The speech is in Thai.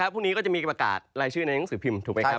พรุ่งนี้ก็จะมีประกาศรายชื่อในหนังสือพิมพ์ถูกไหมครับ